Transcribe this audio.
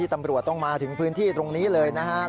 ตำรวจต้องมาถึงพื้นที่ตรงนี้เลยนะครับ